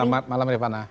selamat malam riva